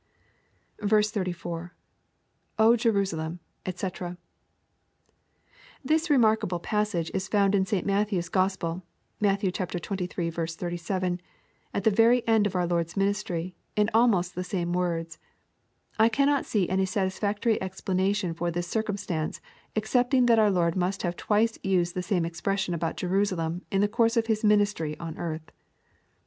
h4. — [0 Jerusalemj cfec] This remarkable passage is found in St Matthew's Gospel, (Matt xxiii. 37,) at the very end of our Lord's ministry, in almost the same words. I cannot see any satisfactory explanation of this circumstance excepting that our Lord must have twice used the same expression about Jerusalem in the course of His ministry on earth.